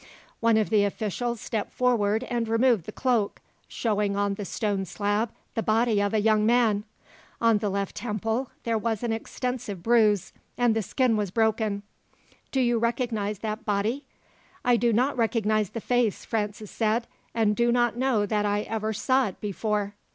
One of the officials stepped forward and removed the cloak, showing on the stone slab the body of a young man. On the left temple there was an extensive bruise, and the skin was broken. "Do you recognize that body?" "I do not recognize the face," Francis said, "and do not know that I ever saw it before."